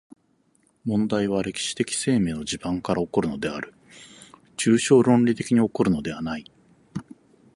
問題は歴史的生命の地盤から起こるのである、抽象論理的に起こるのではない。